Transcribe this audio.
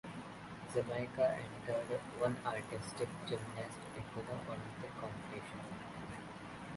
Jamaica entered one artistic gymnast into the Olympic competition.